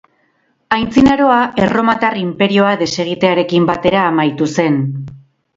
Antzinaroa Erromatar Inperioa desegitearekin batera amaitu zen.